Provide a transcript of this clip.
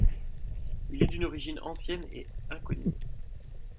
Il est d'une origine ancienne et inconnue.